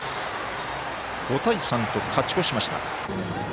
５対３と勝ち越しました。